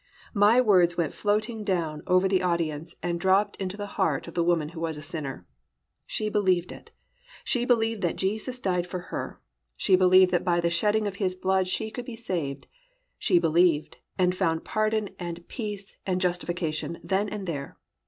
My words went floating down over the audience and dropped into the heart of the woman who was a sinner. She believed it, she believed that Jesus died for her, she believed that by the shedding of His blood she could be saved, she believed, and found pardon and peace and justification then and there.